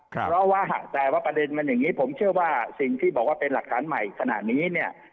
เพราะว่าแต่ว่าประเด็นมันอย่างนี้ผมเชื่อว่าสิ่งที่บอกว่าเป็นหลักฐานใหม่ขนาดนี้เนี่ย